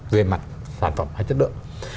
về mặt sản phẩm hay chất lượng